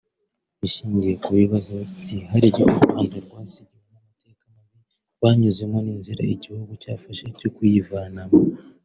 Bushingiye ku bibazo byihariye u Rwanda rwasigiwe n’amateka mabi rwanyuzemo n’inzira igihugu cyafashe yo kuyivanamo